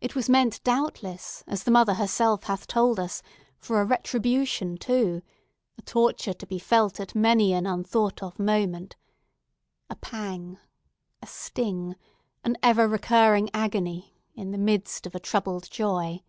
It was meant, doubtless, the mother herself hath told us, for a retribution, too; a torture to be felt at many an unthought of moment; a pang, a sting, an ever recurring agony, in the midst of a troubled joy!